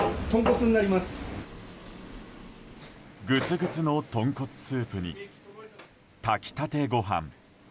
ぐつぐつの豚骨スープに炊きたてご飯